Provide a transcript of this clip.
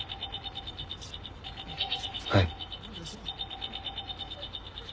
はい。